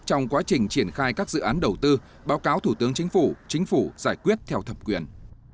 trong quá trình triển khai các dự án đầu tư báo cáo thủ tướng chính phủ chính phủ giải quyết theo thẩm quyền